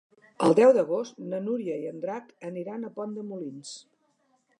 El deu d'agost na Núria i en Drac aniran a Pont de Molins.